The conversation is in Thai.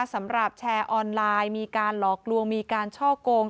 สำหรับแชร์ออนไลน์มีการหลอกลวงมีการช่อกง